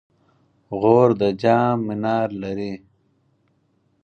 غور د جام منار لري